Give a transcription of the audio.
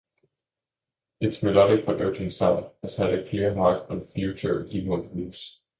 Its melodic but urgent sound has had a clear mark on future emo groups.